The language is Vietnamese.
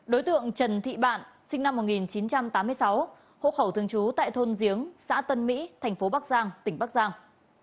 đối tượng trần thị bạn sinh năm một nghìn chín trăm tám mươi sáu hộ khẩu thường trú tại thôn giếng xã tân mỹ thành phố bắc giang tỉnh bắc giang